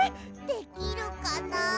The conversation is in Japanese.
できるかなあ。